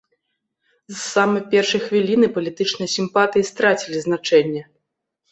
З самай першай хвіліны палітычныя сімпатыі страцілі значэнне.